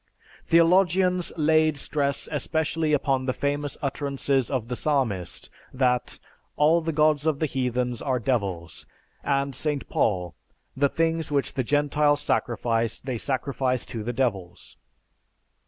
Theologians laid stress especially upon the famous utterances of the Psalmist that "All the gods of the Heathens are devils," and St. Paul, "The things which the Gentiles sacrifice, they sacrifice to the devils."